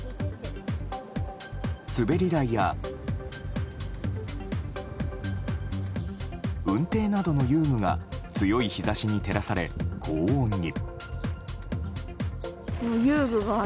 滑り台や、うんていなどの遊具が強い日差しに照らされ高温に。